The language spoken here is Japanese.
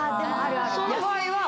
その場合は。